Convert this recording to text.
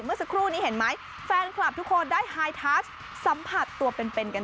เมื่อสักครู่นี้เห็นไหมแฟนคลับทุกคนได้ไฮทัชสัมผัสตัวเป็นกัน